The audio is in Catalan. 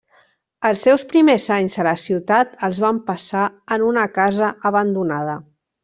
Els seus primers anys a la ciutat els van passar en una casa abandonada.